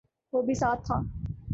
وہ بھی ساتھ تھا